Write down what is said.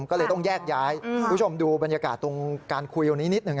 ก็เลยต้องแยกย้ายคุณผู้ชมดูบรรยากาศตรงการคุยตรงนี้นิดหนึ่ง